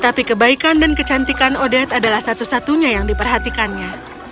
tapi kebaikan dan kecantikan odet adalah satu satunya yang diperhatikannya